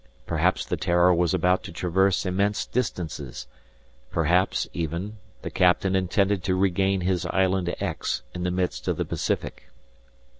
Perhaps the "Terror" was about to traverse immense distances; perhaps even, the captain intended to regain his Island X, in the midst of the Pacific.